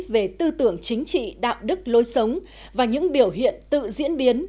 về tư tưởng chính trị đạo đức lối sống và những biểu hiện tự diễn biến